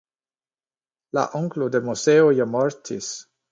La onklo de Moseo ja mortis.